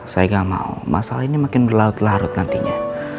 saya nggak mau masalah ini makin berlarut larut nantinya